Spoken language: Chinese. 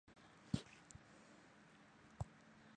全球巴士航空是一家俄罗斯航空公司。